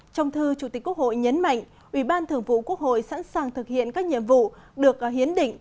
trong thư chủ tịch quốc hội nhấn mạnh ubthqh sẵn sàng thực hiện các nhiệm vụ được hiến định